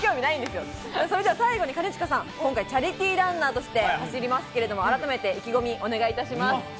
最後に兼近さん、今回チャリティーランナーとして走りますけれど、改めて意気込みをお願いします。